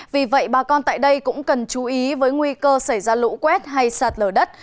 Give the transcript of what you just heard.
vì vậy bà con tại đây cũng cần chú ý với nguy cơ xảy ra lũ quét hay sạt lở đất